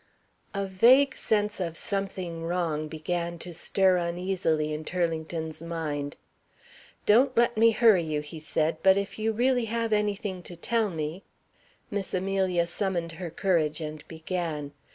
A vague sense of something wrong began to stir uneasily in Turlington's mind. "Don't let me hurry you," he said, "but if you really have anything to tell me " Miss Amelia summoned her courage, and began.